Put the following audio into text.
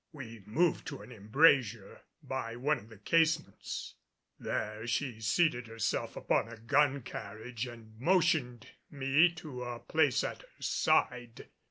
We moved to an embrasure by one of the casements. There she seated herself upon a gun carriage and motioned me to a place at her side.